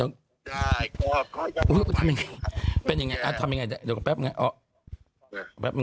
แค้นเดี๋ยวแป๊บหนึ่งฉันโทรไปใหม่แกรับใหม่นะ